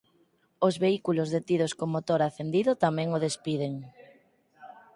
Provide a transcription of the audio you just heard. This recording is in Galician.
Os vehículos detidos co motor acendido tamén o despiden.